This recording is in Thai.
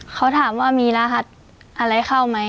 เขาถามว่ามีรหัสอะไรเข้าไหม